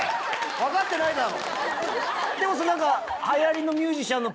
分かってないだろ。